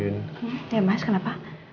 ya mas kenapa